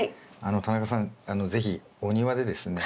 田中さん是非お庭でですね